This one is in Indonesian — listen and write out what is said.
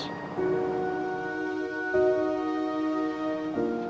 kebayang sama aku